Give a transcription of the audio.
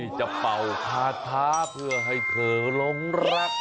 นี่จะเป่าท้าเพื่อให้เขลงรัก